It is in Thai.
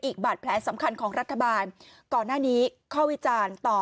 บาดแผลสำคัญของรัฐบาลก่อนหน้านี้ข้อวิจารณ์ต่อ